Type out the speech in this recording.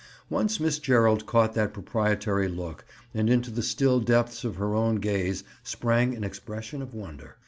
Once Miss Gerald caught that proprietary look and into the still depths of her own gaze sprang an expression of wonder.